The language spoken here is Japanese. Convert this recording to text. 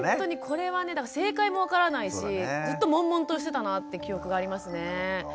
これはねだから正解も分からないしずっともんもんとしてたなって記憶がありますね。